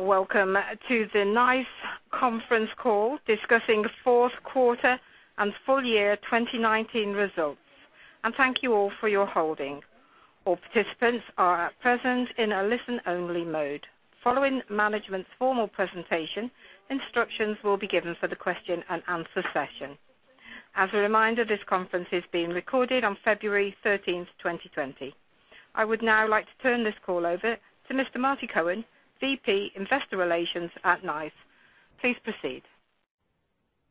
Welcome to the NICE conference call discussing fourth quarter and full year 2019 results, thank you all for your holding. All participants are at present in a listen-only mode. Following management's formal presentation, instructions will be given for the question and answer session. As a reminder, this conference is being recorded on February 13, 2020. I would now like to turn this call over to Mr. Marty Cohen, VP, Investor Relations at NICE. Please proceed.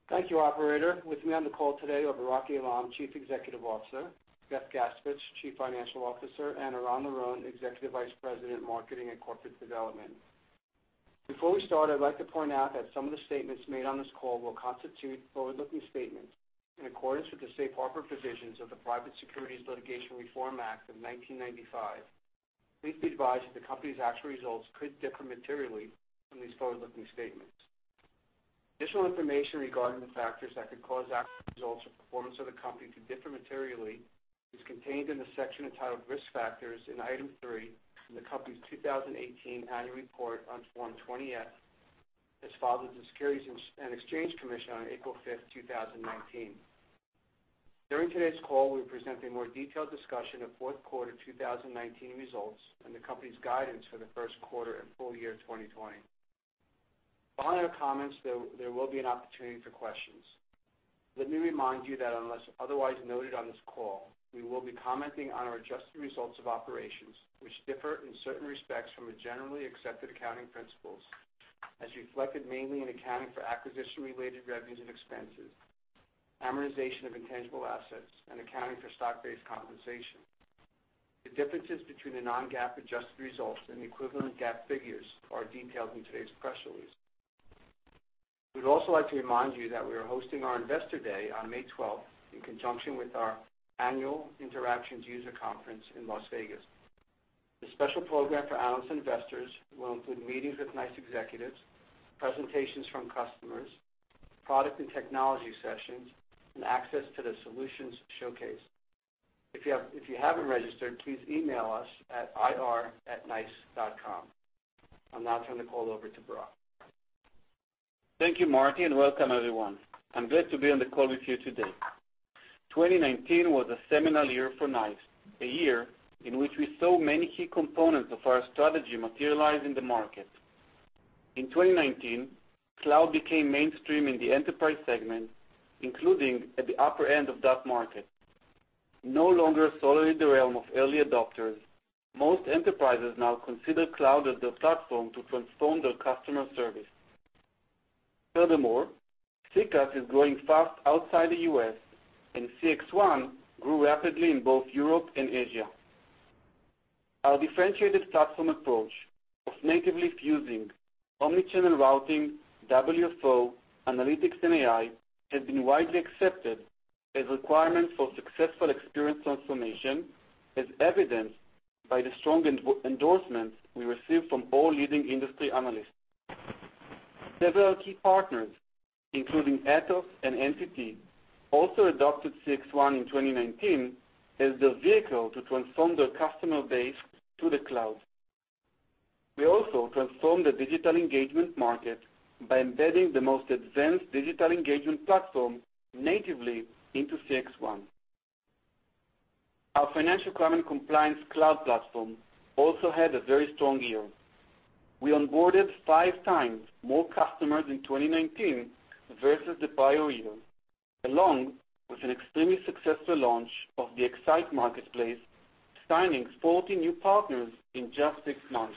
Thank you, operator. With me on the call today are Barak Eilam, Chief Executive Officer, Beth Gaspich, Chief Financial Officer, and Eran Liron, Executive Vice President, Marketing and Corporate Development. Before we start, I'd like to point out that some of the statements made on this call will constitute forward-looking statements in accordance with the safe harbor provisions of the Private Securities Litigation Reform Act of 1995. Please be advised that the company's actual results could differ materially from these forward-looking statements. Additional information regarding the factors that could cause actual results or performance of the company to differ materially is contained in the section entitled Risk Factors in Item three in the company's 2018 annual report on Form 20-F, as filed with the Securities and Exchange Commission on April 5th, 2019. During today's call, we'll present a more detailed discussion of fourth quarter 2019 results and the company's guidance for the first quarter and full year 2020. Following our comments, there will be an opportunity for questions. Let me remind you that unless otherwise noted on this call, we will be commenting on our adjusted results of operations, which differ in certain respects from the generally accepted accounting principles, as reflected mainly in accounting for acquisition-related revenues and expenses, amortization of intangible assets, and accounting for stock-based compensation. The differences between the non-GAAP adjusted results and the equivalent GAAP figures are detailed in today's press release. We'd also like to remind you that we are hosting our Investor Day on May 12th in conjunction with our Annual Interactions User Conference in Las Vegas. The special program for analysts and investors will include meetings with NICE executives, presentations from customers, product and technology sessions, and access to the solutions showcase. If you haven't registered, please email us at ir@nice.com. I'll now turn the call over to Barak. Thank you, Marty, and welcome everyone. I'm glad to be on the call with you today. 2019 was a seminal year for NICE, a year in which we saw many key components of our strategy materialize in the market. In 2019, cloud became mainstream in the enterprise segment, including at the upper end of that market. No longer solely the realm of early adopters, most enterprises now consider cloud as their platform to transform their customer service. Furthermore, CCaaS is growing fast outside the U.S., and CXone grew rapidly in both Europe and Asia. Our differentiated platform approach of natively fusing omni-channel routing, WFO, analytics, and AI has been widely accepted as a requirement for successful experience transformation, as evidenced by the strong endorsements we received from all leading industry analysts. Several key partners, including Atos and NTT, also adopted CXone in 2019 as their vehicle to transform their customer base to the cloud. We also transformed the digital engagement market by embedding the most advanced digital engagement platform natively into CXone. Our financial crime and compliance cloud platform also had a very strong year. We onboarded 5x more customers in 2019 versus the prior year, along with an extremely successful launch of the X-Sight marketplace, signing 40 new partners in just six months.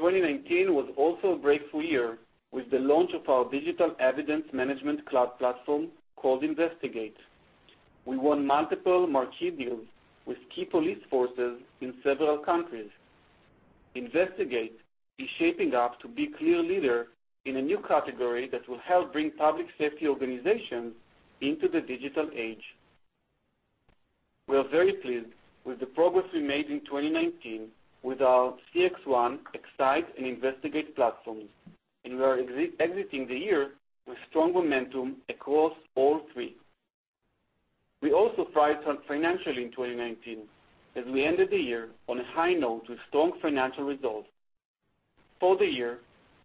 2019 was also a breakthrough year with the launch of our digital evidence management cloud platform called Investigate. We won multiple marquee deals with key police forces in several countries. Investigate is shaping up to be a clear leader in a new category that will help bring public safety organizations into the digital age. We are very pleased with the progress we made in 2019 with our CXone, X-Sight, and Investigate platforms. We are exiting the year with strong momentum across all three. We also thrived financially in 2019 as we ended the year on a high note with strong financial results. For the year,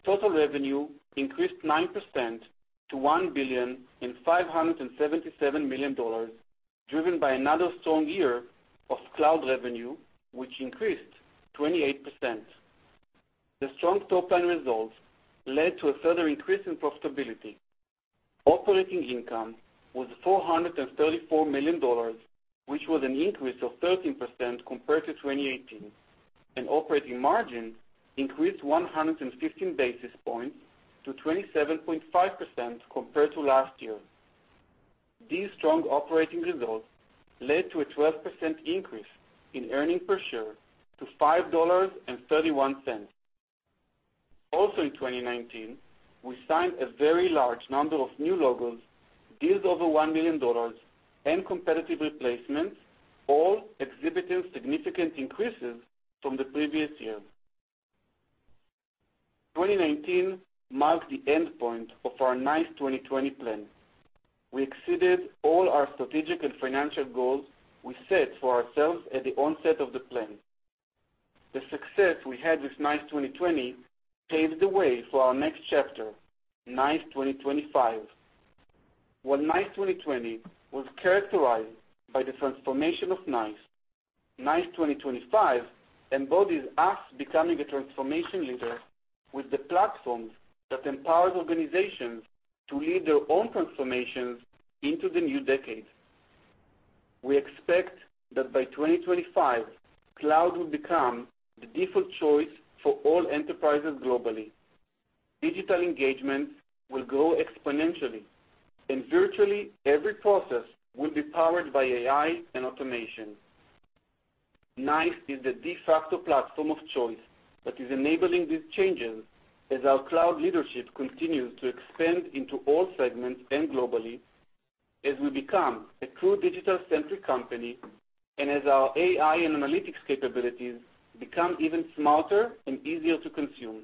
total revenue increased 9% to $1,577,000,000, driven by another strong year of cloud revenue, which increased 28%. The strong top-line results led to a further increase in profitability. Operating income was $434 million, which was an increase of 13% compared to 2018. Operating margin increased 115 basis points to 27.5% compared to last year. These strong operating results led to a 12% increase in earnings per share to $5.31. Also in 2019, we signed a very large number of new logos, deals over $1 million, and competitive replacements, all exhibiting significant increases from the previous year. 2019 marked the endpoint of our NICE 2020 plan. We exceeded all our strategic and financial goals we set for ourselves at the onset of the plan. The success we had with NICE 2020 paved the way for our next chapter, NICE 2025. What NICE 2020 was characterized by the transformation of NICE 2025 embodies us becoming a transformation leader with the platforms that empowers organizations to lead their own transformations into the new decade. We expect that by 2025, cloud will become the default choice for all enterprises globally. Digital engagement will grow exponentially, and virtually every process will be powered by AI and automation. NICE is the de facto platform of choice that is enabling these changes as our cloud leadership continues to expand into all segments and globally as we become a true digital-centric company, and as our AI and analytics capabilities become even smarter and easier to consume.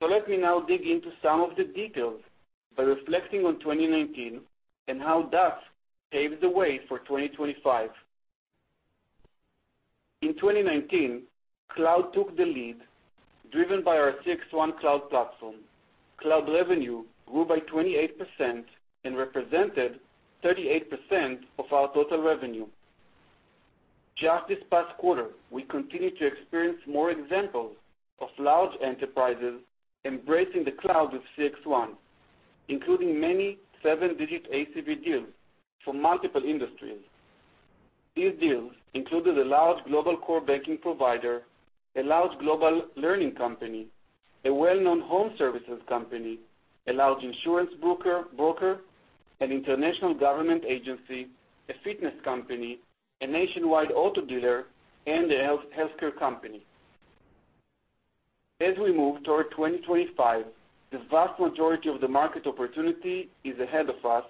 Let me now dig into some of the details by reflecting on 2019 and how that paved the way for 2025. In 2019, cloud took the lead, driven by our CXone cloud platform. Cloud revenue grew by 28% and represented 38% of our total revenue. Just this past quarter, we continued to experience more examples of large enterprises embracing the cloud with CXone, including many seven-digit ACV deals from multiple industries. These deals included a large global core banking provider, a large global learning company, a well-known home services company, a large insurance broker, an international government agency, a fitness company, a nationwide auto dealer, and a healthcare company. As we move toward 2025, the vast majority of the market opportunity is ahead of us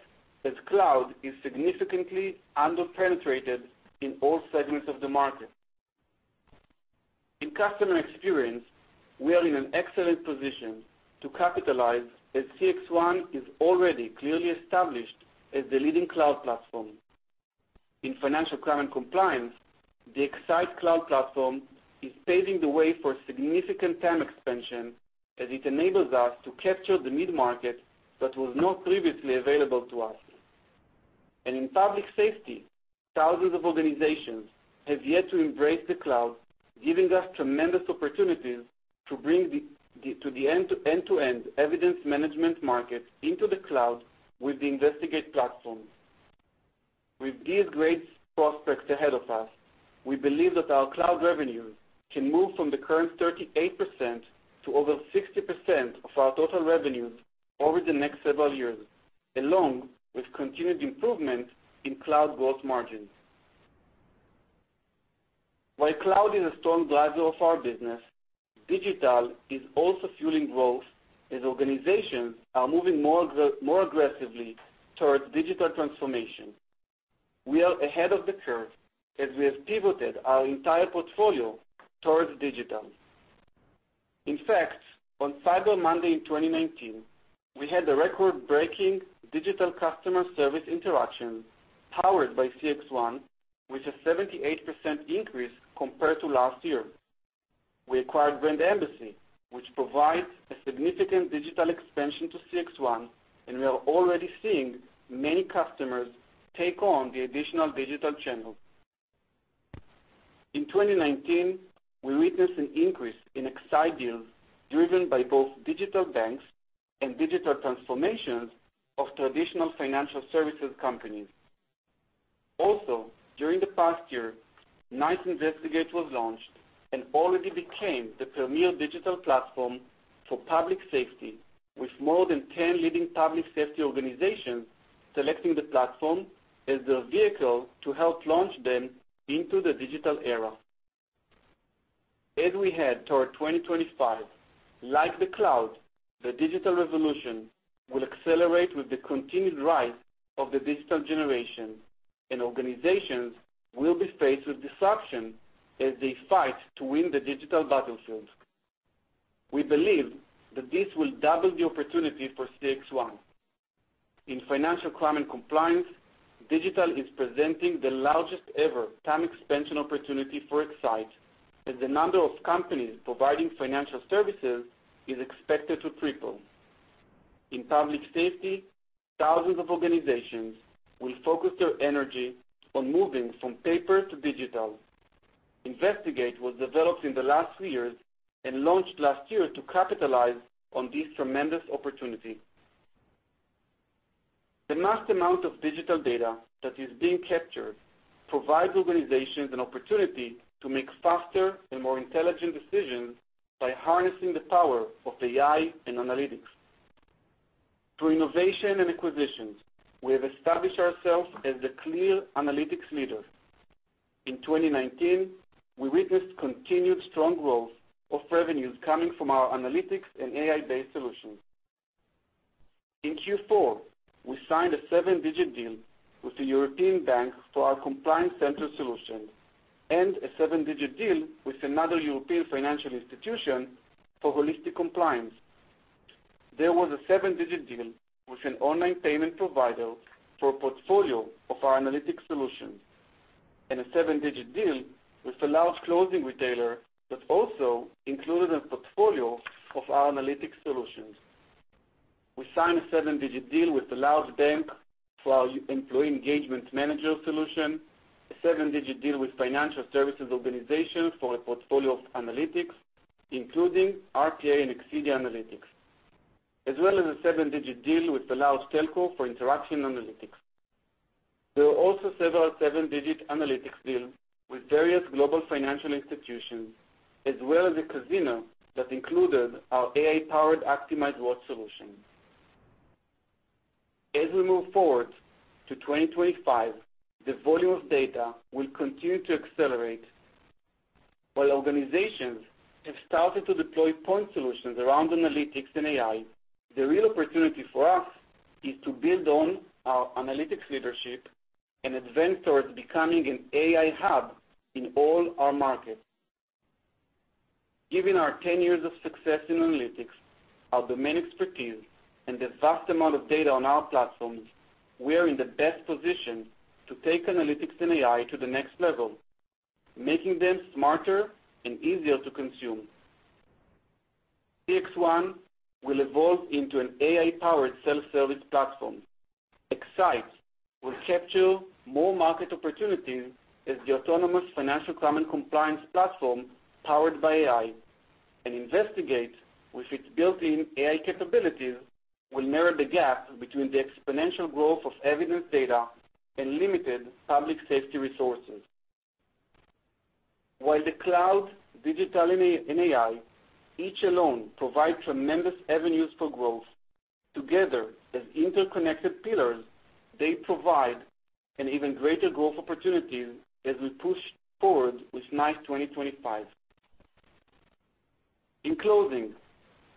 as cloud is significantly under-penetrated in all segments of the market. In customer experience, we are in an excellent position to capitalize, as CXone is already clearly established as the leading cloud platform. In financial crime and compliance, the X-Sight cloud platform is paving the way for significant TAM expansion as it enables us to capture the mid-market that was not previously available to us. In public safety, thousands of organizations have yet to embrace the cloud, giving us tremendous opportunities to bring the end-to-end evidence management market into the cloud with the Investigate platform. With these great prospects ahead of us, we believe that our cloud revenues can move from the current 38% to over 60% of our total revenues over the next several years, along with continued improvement in cloud gross margins. While cloud is a strong driver of our business, digital is also fueling growth as organizations are moving more aggressively towards digital transformation. We are ahead of the curve as we have pivoted our entire portfolio towards digital. In fact, on Cyber Monday in 2019, we had a record-breaking digital customer service interaction powered by CXone, with a 78% increase compared to last year. We acquired Brand Embassy, which provides a significant digital expansion to CXone, and we are already seeing many customers take on the additional digital channel. In 2019, we witnessed an increase in X-Sight deals driven by both digital banks and digital transformations of traditional financial services companies. During the past year, NICE Investigate was launched and already became the premier digital platform for public safety, with more than 10 leading public safety organizations selecting the platform as their vehicle to help launch them into the digital era. As we head toward 2025, like the cloud, the digital revolution will accelerate with the continued rise of the digital generation, and organizations will be faced with disruption as they fight to win the digital battlefields. We believe that this will double the opportunity for CXone. In financial crime and compliance, digital is presenting the largest ever TAM expansion opportunity for X-Sight, as the number of companies providing financial services is expected to triple. In public safety, thousands of organizations will focus their energy on moving from paper to digital. Investigate was developed in the last three years and launched last year to capitalize on this tremendous opportunity. The mass amount of digital data that is being captured provides organizations an opportunity to make faster and more intelligent decisions by harnessing the power of AI and analytics. Through innovation and acquisitions, we have established ourselves as the clear analytics leader. In 2019, we witnessed continued strong growth of revenues coming from our analytics and AI-based solutions. In Q4, we signed a seven-digit deal with a European bank for our Compliance Center solution and a seven-digit deal with another European financial institution for Holistic Compliance. There was a seven-digit deal with an online payment provider for a portfolio of our analytics solutions, and a seven-digit deal with a large clothing retailer that also included a portfolio of our analytics solutions. We signed a seven-digit deal with a large bank for our Employee Engagement Manager solution, a seven-digit deal with financial services organization for a portfolio of analytics, including RPA and Nexidia Analytics, as well as a seven-digit deal with a large telco for Interaction Analytics. There were also several seven-digit analytics deals with various global financial institutions, as well as a casino that included our AI-powered optimize watch solution. As we move forward to 2025, the volume of data will continue to accelerate. While organizations have started to deploy point solutions around analytics and AI, the real opportunity for us is to build on our analytics leadership and advance towards becoming an AI hub in all our markets. Given our 10 years of success in analytics, our domain expertise, and the vast amount of data on our platforms, we are in the best position to take analytics and AI to the next level, making them smarter and easier to consume. CXone will evolve into an AI-powered self-service platform. X-Sight will capture more market opportunities as the autonomous financial crime and compliance platform powered by AI. Investigate, with its built-in AI capabilities, will narrow the gap between the exponential growth of evidence data and limited public safety resources. While the cloud, digital, and AI each alone provide tremendous avenues for growth, together as interconnected pillars, they provide an even greater growth opportunity as we push forward with NICE 2025. In closing,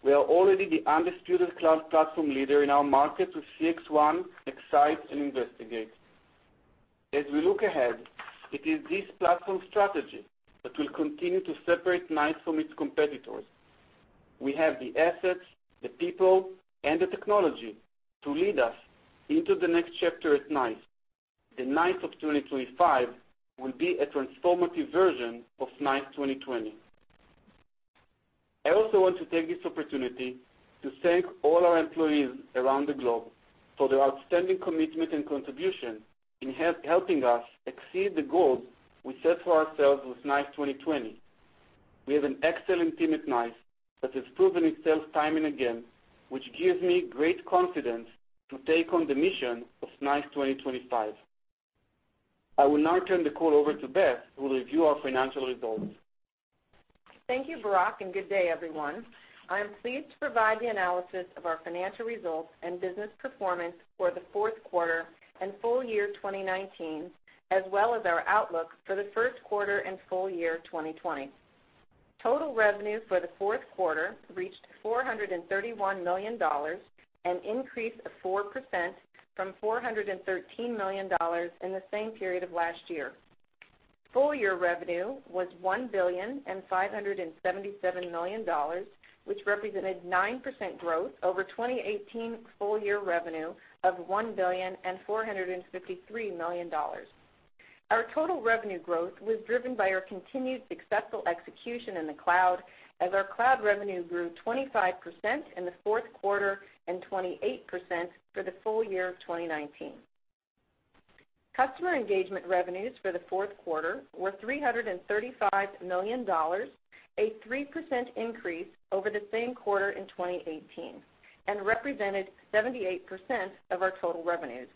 we are already the undisputed cloud platform leader in our market with CXone, X-Sight, and Investigate. As we look ahead, it is this platform strategy that will continue to separate NICE from its competitors. We have the assets, the people, and the technology to lead us into the next chapter at NICE. The NICE 2025 will be a transformative version of NICE 2020. I also want to take this opportunity to thank all our employees around the globe for their outstanding commitment and contribution in helping us exceed the goals we set for ourselves with NICE 2020. We have an excellent team at NICE that has proven itself time and again, which gives me great confidence to take on the mission of NICE 2025. I will now turn the call over to Beth, who will review our financial results. Thank you, Barak. Good day, everyone. I'm pleased to provide the analysis of our financial results and business performance for the fourth quarter and full year 2019, as well as our outlook for the first quarter and full year 2020. Total revenues for the fourth quarter reached $431 million, an increase of 4% from $413 million in the same period of last year. Full year revenue was $1,577,000,000, which represented 9% growth over 2018 full year revenue of $1,453,000,000. Our total revenue growth was driven by our continued successful execution in the cloud as our cloud revenue grew 25% in the fourth quarter and 28% for the full year of 2019. Customer engagement revenues for the fourth quarter were $335 million, a 3% increase over the same quarter in 2018, and represented 78% of our total revenues.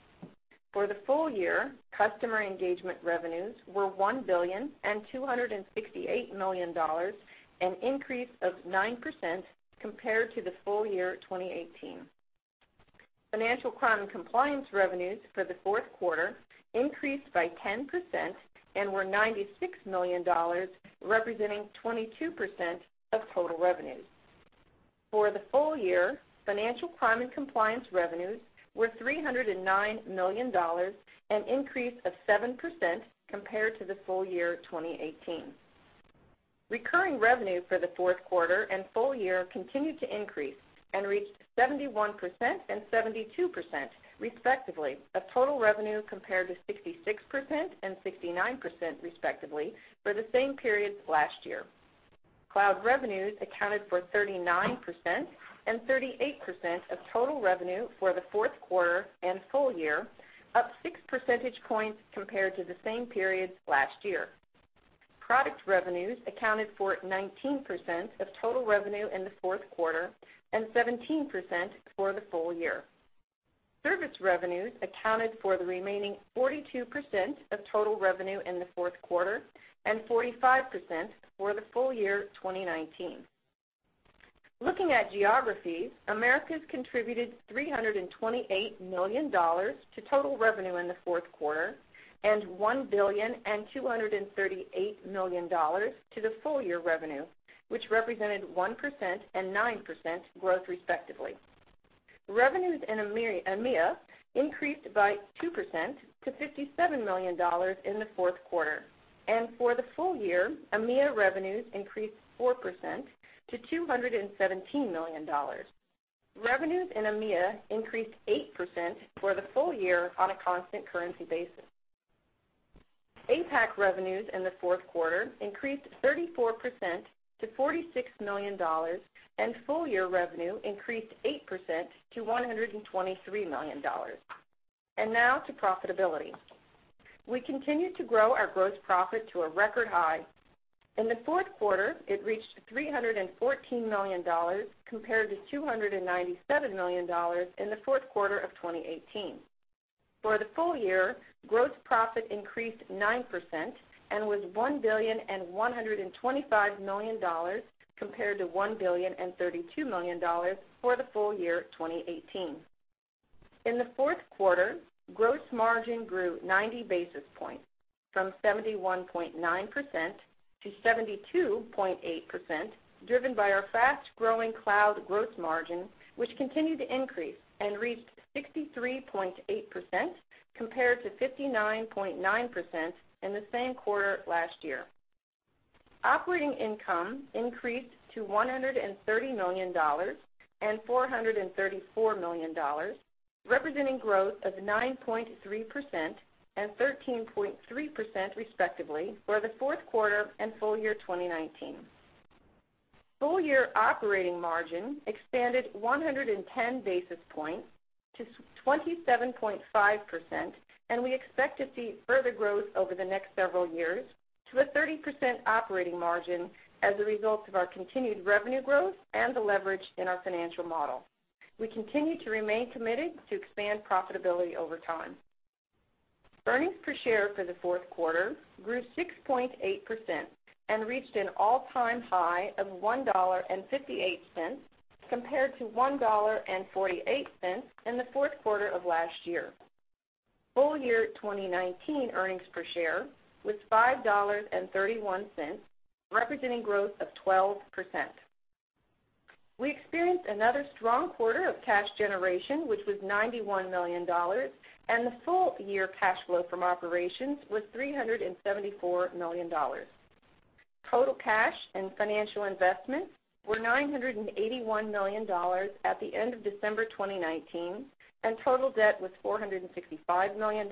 For the full year, customer engagement revenues were $1,268,000,000, an increase of 9% compared to the full year 2018. Financial crime and compliance revenues for the fourth quarter increased by 10% and were $96 million, representing 22% of total revenues. For the full year, financial crime and compliance revenues were $309 million, an increase of 7% compared to the full year 2018. Recurring revenue for the fourth quarter and full year continued to increase and reached 71% and 72%, respectively, of total revenue compared to 66% and 69%, respectively, for the same period last year. Cloud revenues accounted for 39% and 38% of total revenue for the fourth quarter and full year, up 6 percentage points compared to the same periods last year. Product revenues accounted for 19% of total revenue in the fourth quarter and 17% for the full year. Service revenues accounted for the remaining 42% of total revenue in the fourth quarter and 45% for the full year 2019. Looking at geography, Americas contributed $328 million to total revenue in the fourth quarter and $1,238,000,000 to the full year revenue, which represented 1% and 9% growth, respectively. Revenues in EMEA increased by 2% to $57 million in the fourth quarter. For the full year, EMEA revenues increased 4% to $217 million. Revenues in EMEA increased 8% for the full year on a constant currency basis. APAC revenues in the fourth quarter increased 34% to $46 million, and full-year revenue increased 8% to $123 million. Now to profitability. We continued to grow our gross profit to a record high. In the fourth quarter, it reached $314 million compared to $297 million in the fourth quarter of 2018. For the full year, gross profit increased 9% and was $1,125,000,000 compared to $1,032,000,000 for the full year 2018. In the fourth quarter, gross margin grew 90 basis points from 71.9% to 72.8%, driven by our fast-growing cloud gross margin, which continued to increase and reached 63.8% compared to 59.9% in the same quarter last year. Operating income increased to $130 million and $434 million, representing growth of 9.3% and 13.3% respectively for the fourth quarter and full year 2019. Full-year operating margin expanded 110 basis points to 27.5%. We expect to see further growth over the next several years to a 30% operating margin as a result of our continued revenue growth and the leverage in our financial model. We continue to remain committed to expand profitability over time. Earnings per share for the fourth quarter grew 6.8% and reached an all-time high of $1.58 compared to $1.48 in the fourth quarter of last year. Full year 2019 earnings per share was $5.31, representing growth of 12%. We experienced another strong quarter of cash generation, which was $91 million, and the full-year cash flow from operations was $374 million. Total cash and financial investments were $981 million at the end of December 2019, and total debt was $465 million,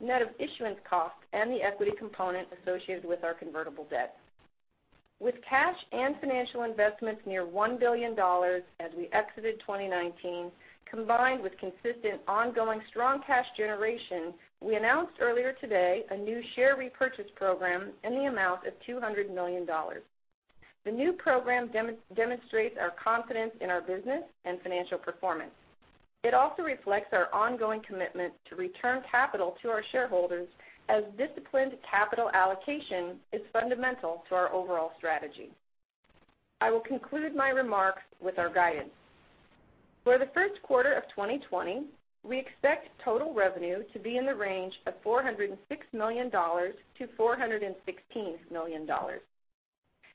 net of issuance costs and the equity component associated with our convertible debt. With cash and financial investments near $1 billion as we exited 2019, combined with consistent ongoing strong cash generation, we announced earlier today a new share repurchase program in the amount of $200 million. The new program demonstrates our confidence in our business and financial performance. It also reflects our ongoing commitment to return capital to our shareholders as disciplined capital allocation is fundamental to our overall strategy. I will conclude my remarks with our guidance. For the first quarter of 2020, we expect total revenue to be in the range of $406 million-$416 million.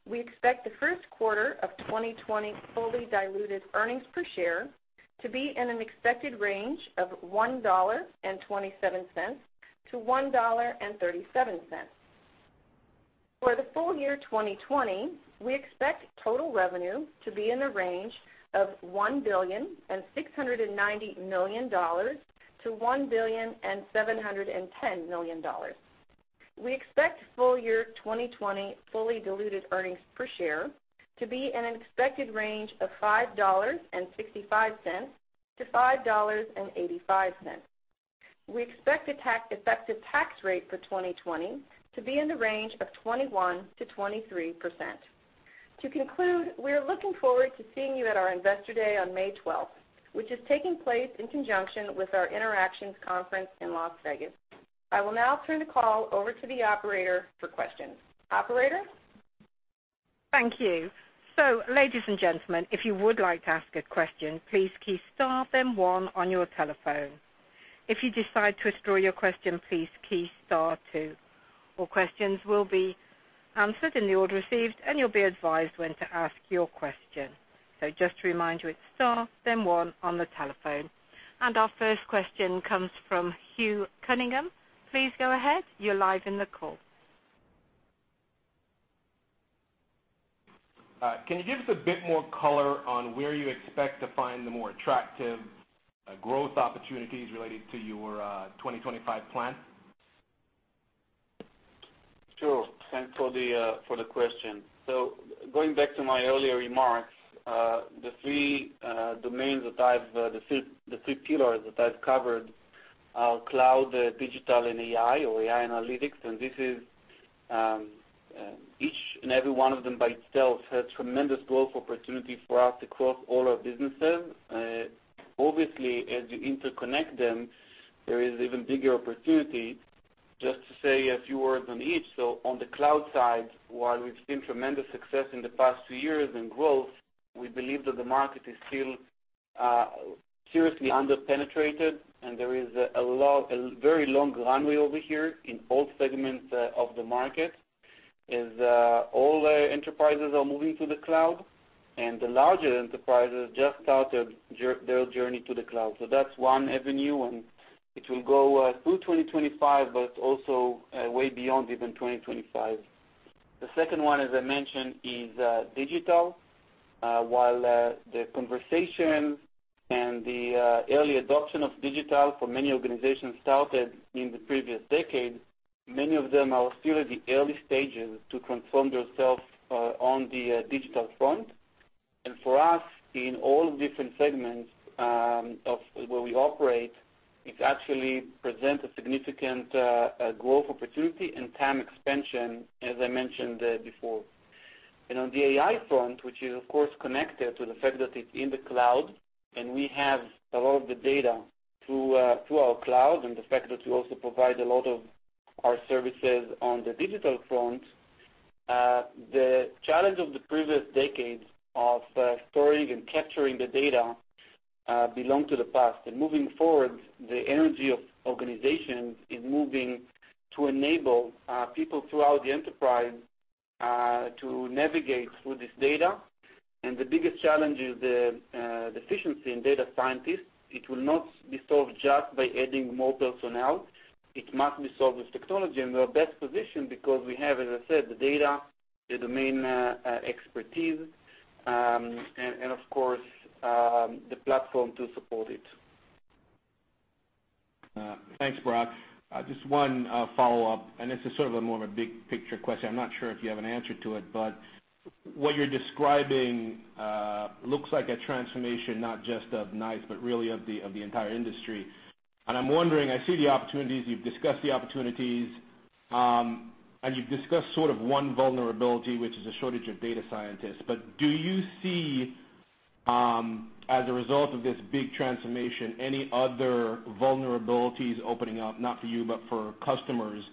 We expect the first quarter of 2020 fully diluted earnings per share to be in an expected range of $1.27-$1.37. For the full year 2020, we expect total revenue to be in the range of $1,690,000,000-$1,710,000,000. We expect full year 2020 fully diluted earnings per share to be in an expected range of $5.65-$5.85. We expect effective tax rate for 2020 to be in the range of 21%-23%. To conclude, we're looking forward to seeing you at our Investor Day on May 12th, which is taking place in conjunction with our Interactions Conference in Las Vegas. I will now turn the call over to the operator for questions. Operator? Thank you. Ladies and gentlemen, if you would like to ask a question, please key star then one on your telephone. If you decide to withdraw your question, please key star two. All questions will be answered in the order received, and you'll be advised when to ask your question. Just to remind you, it's star then one on the telephone. Our first question comes from Hugh Cunningham. Please go ahead. You're live in the call. Can you give us a bit more color on where you expect to find the more attractive growth opportunities related to your 2025 plan? Sure. Thanks for the question. Going back to my earlier remarks, the three pillars that I've covered are cloud, digital, and AI or AI analytics. Each and every one of them by itself has tremendous growth opportunity for us across all our businesses. Obviously, as you interconnect them, there is even bigger opportunity. Just to say a few words on each, on the cloud side, while we've seen tremendous success in the past two years in growth, we believe that the market is still seriously under-penetrated, and there is a very long runway over here in all segments of the market. All enterprises are moving to the cloud, and the larger enterprises just started their journey to the cloud. That's one avenue, and it will go through 2025, but also way beyond even 2025. The second one, as I mentioned, is digital. While the conversation and the early adoption of digital for many organizations started in the previous decade, many of them are still at the early stages to transform themselves on the digital front. For us, in all different segments of where we operate, it actually presents a significant growth opportunity and TAM expansion, as I mentioned before. On the AI front, which is, of course, connected to the fact that it's in the cloud and we have a lot of the data through our cloud and the fact that we also provide a lot of our services on the digital front, the challenge of the previous decades of storing and capturing the data belong to the past. Moving forward, the energy of organizations is moving to enable people throughout the enterprise to navigate through this data. The biggest challenge is the deficiency in data scientists. It will not be solved just by adding more personnel. It must be solved with technology. We are best positioned because we have, as I said, the data, the domain expertise, and of course, the platform to support it. Thanks, Barak. Just one follow-up. This is sort of more of a big-picture question. I'm not sure if you have an answer to it. What you're describing looks like a transformation not just of NICE but really of the entire industry. I'm wondering, I see the opportunities, you've discussed the opportunities, and you've discussed sort of one vulnerability, which is a shortage of data scientists. Do you see, as a result of this big transformation, any other vulnerabilities opening up, not for you, but for customers?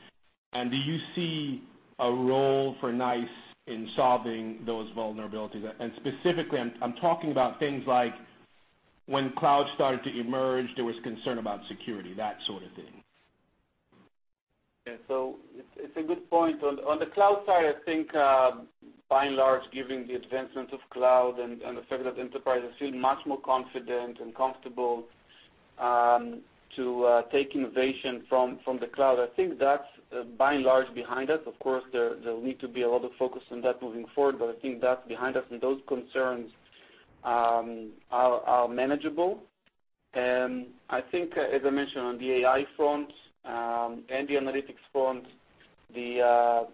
Do you see a role for NICE in solving those vulnerabilities? Specifically, I'm talking about things like when cloud started to emerge, there was concern about security, that sort of thing. Yeah. It's a good point. On the cloud side, I think, by and large, given the advancements of cloud and the fact that enterprises feel much more confident and comfortable to take innovation from the cloud, I think that's, by and large, behind us. Of course, there'll need to be a lot of focus on that moving forward, but I think that's behind us, and those concerns are manageable. I think, as I mentioned on the AI front and the analytics front, the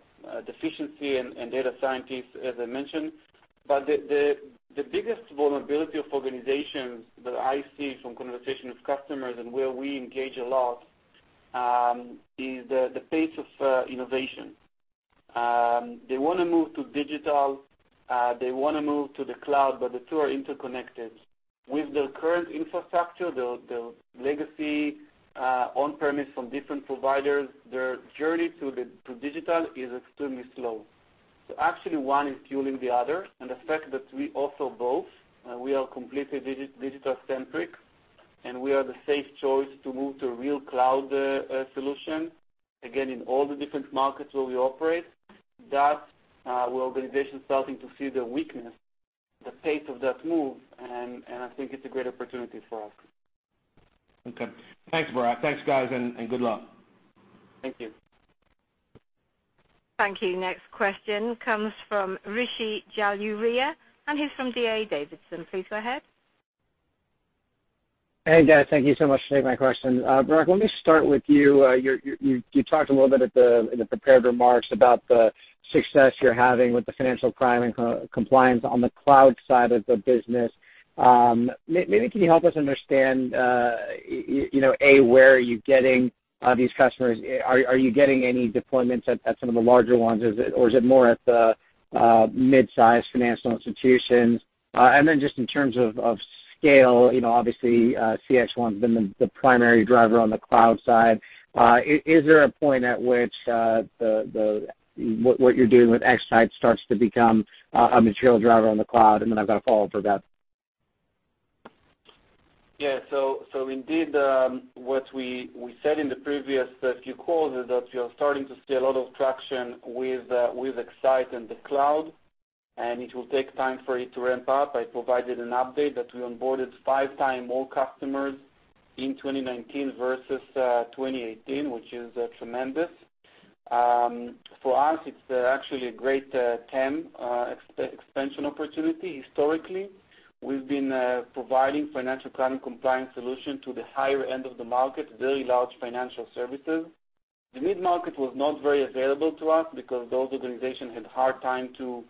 deficiency in data scientists, as I mentioned. The biggest vulnerability of organizations that I see from conversations with customers and where we engage a lot, is the pace of innovation. They want to move to digital, they want to move to the cloud, but the two are interconnected. With their current infrastructure, their legacy on-premise from different providers, their journey to digital is extremely slow. Actually, one is fueling the other, and the fact that we offer both, we are completely digital-centric, and we are the safe choice to move to a real cloud solution, again, in all the different markets where we operate. That, where organizations starting to see the weakness, the pace of that move, and I think it's a great opportunity for us. Okay. Thanks, Barak. Thanks, guys, and good luck. Thank you. Thank you. Next question comes from Rishi Jaluria, and he's from D.A. Davidson. Please go ahead. Hey, guys. Thank you so much for taking my question. Barak, let me start with you. You talked a little bit in the prepared remarks about the success you're having with the financial crime and compliance on the cloud side of the business. Maybe can you help us understand, A, where are you getting these customers? Are you getting any deployments at some of the larger ones, or is it more at the midsize financial institutions? Just in terms of scale, obviously, CXone's been the primary driver on the cloud side. Is there a point at which what you're doing with X-Sight starts to become a material driver on the cloud? And then I've got a follow-up for Beth. Indeed, what we said in the previous few calls is that we are starting to see a lot of traction with X-Sight and the cloud, and it will take time for it to ramp up. I provided an update that we onboarded 5x more customers in 2019 versus 2018, which is tremendous. For us, it's actually a great TAM expansion opportunity. Historically, we've been providing financial crime compliance solution to the higher end of the market, very large financial services. The mid-market was not very available to us because those organizations had a hard time to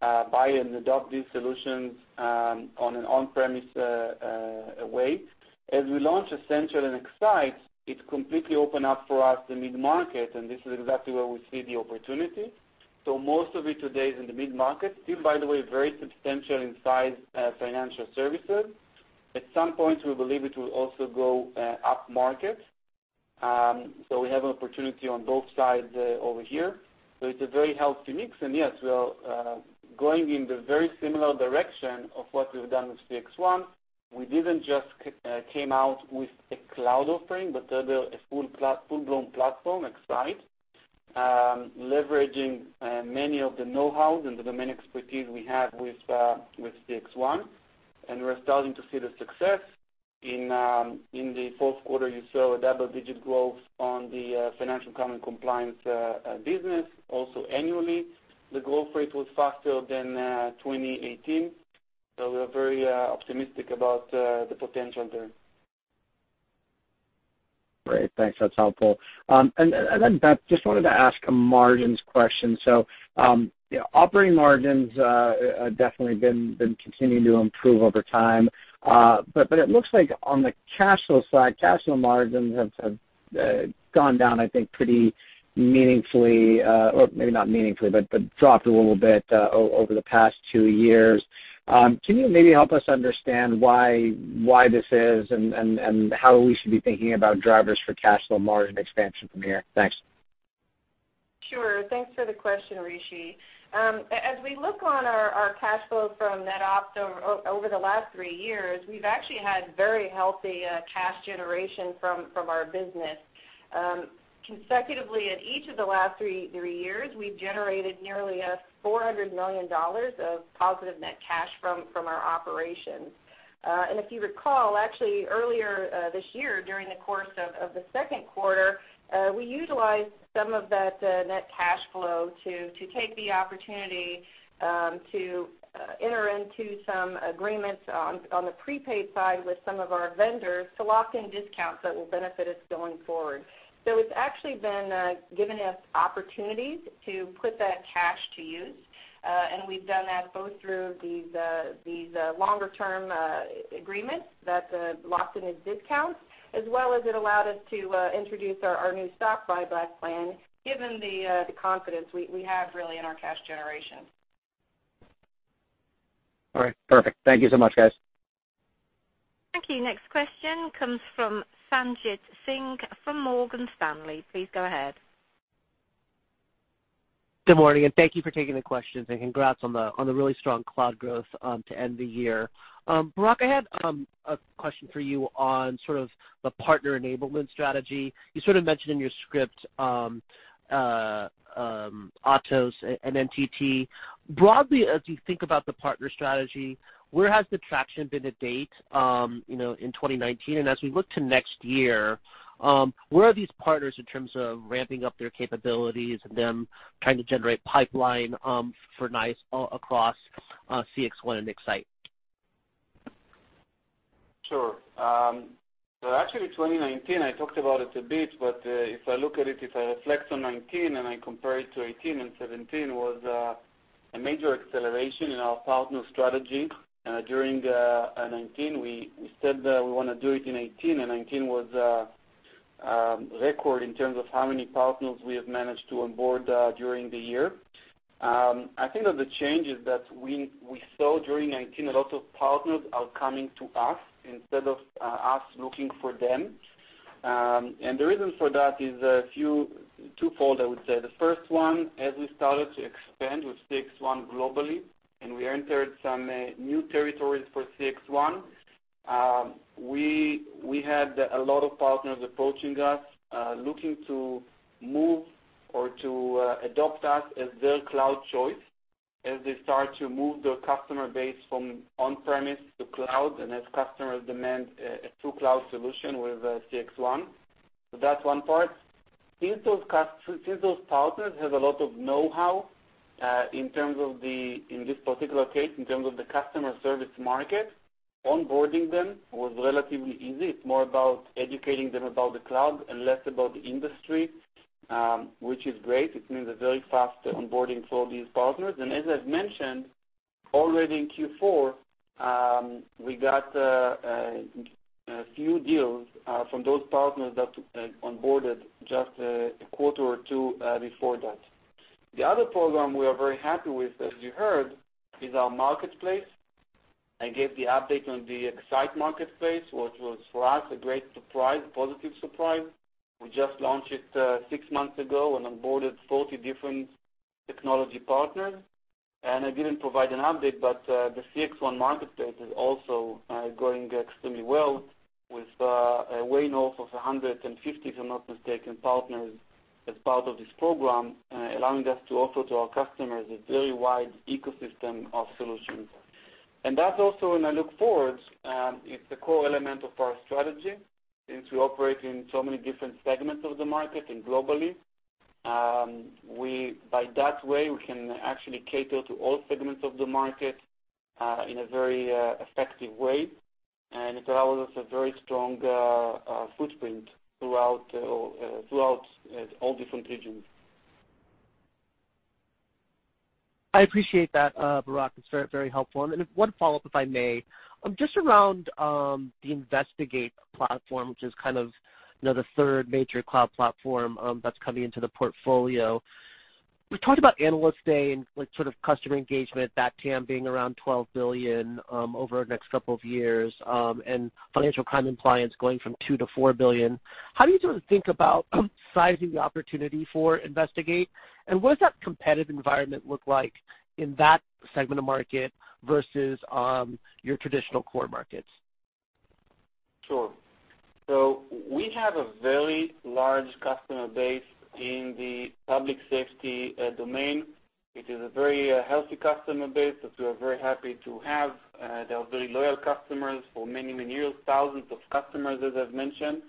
buy and adopt these solutions on an on-premise way. As we launch Essentials and X-Sight, it completely opened up for us the mid-market, and this is exactly where we see the opportunity. Most of it today is in the mid-market. Still, by the way, very substantial in size financial services. At some point, we believe it will also go up market. We have an opportunity on both sides over here. It's a very healthy mix. Yes, we are going in the very similar direction of what we've done with CXone. We didn't just came out with a cloud offering, but rather a full-blown platform, X-Sight, leveraging many of the know-hows and the domain expertise we have with CXone, and we're starting to see the success. In the fourth quarter, you saw a double-digit growth on the financial crime and compliance business. Annually, the growth rate was faster than 2018. We are very optimistic about the potential there. Great. Thanks. That's helpful. Beth, just wanted to ask a margins question. Operating margins have definitely been continuing to improve over time. It looks like on the cash flow side, cash flow margins have gone down, I think, pretty meaningfully or maybe not meaningfully, but dropped a little over the past two years. Can you maybe help us understand why this is and how we should be thinking about drivers for cash flow margin expansion from here? Thanks. Sure. Thanks for the question, Rishi. As we look on our cash flow from net ops over the last three years, we've actually had very healthy cash generation from our business. Consecutively, in each of the last three years, we've generated nearly $400 million of positive net cash from our operations. If you recall, actually earlier this year, during the course of the second quarter, we utilized some of that net cash flow to take the opportunity to enter into some agreements on the prepaid side with some of our vendors to lock in discounts that will benefit us going forward. It's actually been giving us opportunities to put that cash to use. We've done that both through these longer-term agreements that locked in as discounts, as well as it allowed us to introduce our new stock buyback plan, given the confidence we have really in our cash generation. All right, perfect. Thank you so much, guys. Thank you. Next question comes from Sanjit Singh from Morgan Stanley. Please go ahead. Good morning. Thank you for taking the questions. Congrats on the really strong cloud growth to end the year. Barak, I had a question for you on sort of the partner enablement strategy. You sort of mentioned in your script Atos and NTT. Broadly, as you think about the partner strategy, where has the traction been to date in 2019? As we look to next year, where are these partners in terms of ramping up their capabilities and them trying to generate pipeline for NICE across CXone and X-Sight? Sure. Actually, 2019, I talked about it a bit, but if I look at it, if I reflect on 2019 and I compare it to 2018 and 2017, was a major acceleration in our partner strategy during 2019. We said that we want to do it in 2018, and 2019 was a record in terms of how many partners we have managed to onboard during the year. I think that the changes that we saw during 2019, a lot of partners are coming to us instead of us looking for them. The reason for that is twofold, I would say. The first one, as we started to expand with CXone globally and we entered some new territories for CXone, we had a lot of partners approaching us, looking to move or to adopt us as their cloud choice as they start to move their customer base from on-premise to cloud and as customers demand a true cloud solution with CXone. That's one part. Since those partners have a lot of know-how, in this particular case, in terms of the customer service market, onboarding them was relatively easy. It's more about educating them about the cloud and less about the industry, which is great. It means a very fast onboarding for all these partners. As I've mentioned already in Q4, we got a few deals from those partners that onboarded just a quarter or two before that. The other program we are very happy with, as you heard, is our marketplace. I gave the update on the X-Sight marketplace, which was for us a great surprise, a positive surprise. We just launched it six months ago and onboarded 40 different technology partners. I didn't provide an update, but the CXone marketplace is also going extremely well with way north of 150, if I'm not mistaken, partners as part of this program, allowing us to offer to our customers a very wide ecosystem of solutions. That's also, when I look forward, it's a core element of our strategy since we operate in so many different segments of the market and globally. By that way, we can actually cater to all segments of the market in a very effective way. It allows us a very strong footprint throughout all different regions. I appreciate that, Barak. It's very helpful. One follow-up, if I may. Just around the Investigate platform, which is kind of the third major cloud platform that's coming into the portfolio. We've talked about Analyst Day and sort of customer engagement, that TAM being around $12 billion over the next couple of years, and financial crime and compliance going from $2 billion-$4 billion. How do you sort of think about sizing the opportunity for Investigate, and what does that competitive environment look like in that segment of market versus your traditional core markets? Sure. We have a very large customer base in the public safety domain. It is a very healthy customer base that we are very happy to have. They are very loyal customers for many, many years, thousands of customers, as I've mentioned.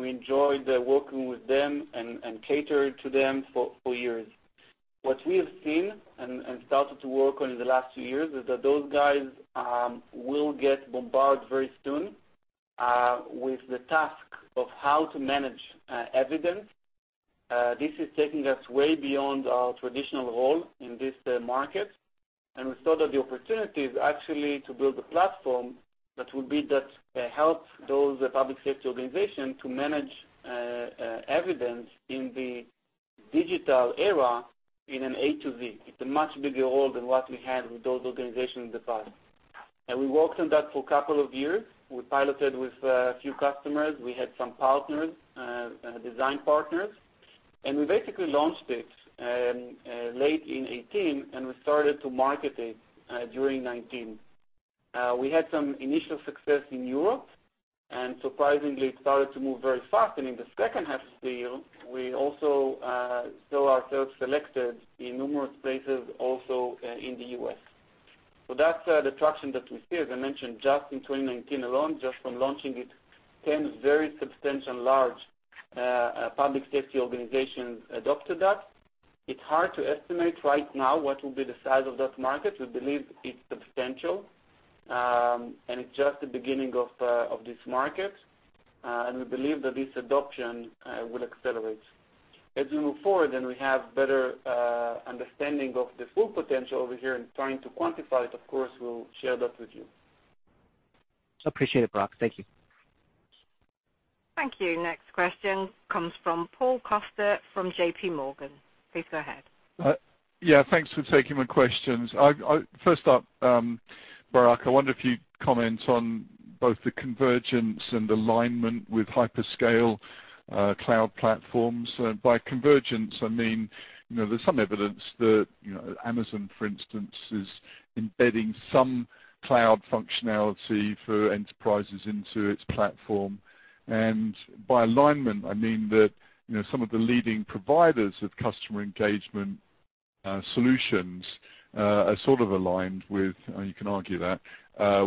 We enjoyed working with them and catered to them for years. What we have seen and started to work on in the last few years, is that those guys will get bombarded very soon with the task of how to manage evidence. This is taking us way beyond our traditional role in this market, and we saw that the opportunity is actually to build a platform that will help those public safety organizations to manage evidence in the digital era in an A to Z. It's a much bigger role than what we had with those organizations in the past. We worked on that for a couple of years. We piloted with a few customers. We had some partners, design partners. We basically launched it late in 2018, and we started to market it during 2019. We had some initial success in Europe, surprisingly, it started to move very fast. In the second half of the year, we also saw ourselves selected in numerous places, also in the U.S. That's the traction that we see. As I mentioned, just in 2019 alone, just from launching it, 10 very substantial large public safety organizations adopted that. It's hard to estimate right now what will be the size of that market. We believe it's substantial. It's just the beginning of this market. We believe that this adoption will accelerate. As we move forward, and we have better understanding of the full potential over here and trying to quantify it, of course, we'll share that with you. Appreciate it, Barak. Thank you. Thank you. Next question comes from Paul Coster from JPMorgan. Please go ahead. Yeah, thanks for taking the questions. First up, Barak, I wonder if you'd comment on both the convergence and alignment with hyperscale cloud platforms. By convergence, I mean, there's some evidence that Amazon, for instance, is embedding some cloud functionality for enterprises into its platform. By alignment, I mean that some of the leading providers of customer engagement solutions are sort of aligned with, you can argue that,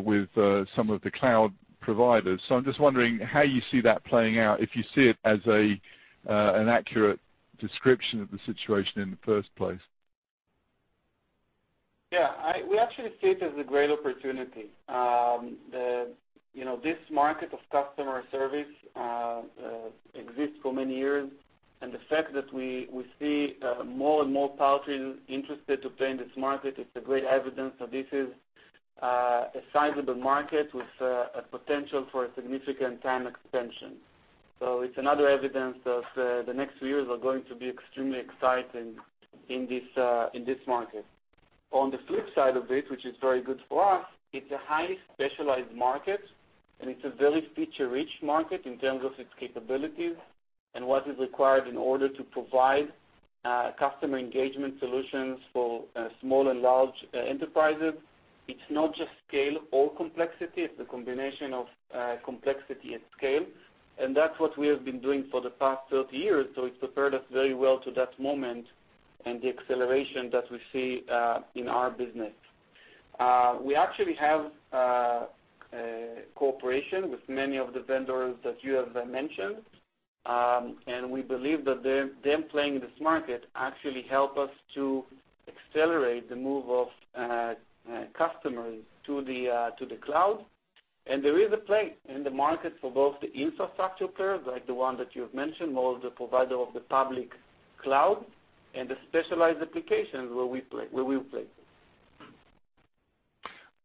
with some of the cloud providers. I'm just wondering how you see that playing out, if you see it as an accurate description of the situation in the first place. Yeah. We actually see it as a great opportunity. This market of customer service exists for many years, and the fact that we see more and more parties interested to play in this market is a great evidence that this is a sizable market with a potential for a significant TAM expansion. It's another evidence that the next few years are going to be extremely exciting in this market. On the flip side of it, which is very good for us, it's a highly specialized market, and it's a very feature-rich market in terms of its capabilities and what is required in order to provide customer engagement solutions for small and large enterprises. It's not just scale or complexity, it's a combination of complexity and scale, and that's what we have been doing for the past 30 years. It's prepared us very well to that moment and the acceleration that we see in our business. We actually have cooperation with many of the vendors that you have mentioned. We believe that them playing in this market actually help us to accelerate the move of customers to the cloud. There is a place in the market for both the infrastructure players, like the one that you have mentioned, more of the provider of the public cloud, and the specialized applications where we will play.